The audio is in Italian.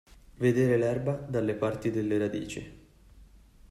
Vedere l'erba dalle parti delle radici.